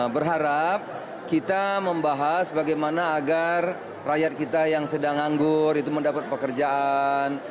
berharap kita membahas bagaimana agar rakyat kita yang sedang anggur itu mendapat pekerjaan